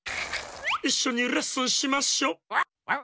いっしょにレッスンしましょ。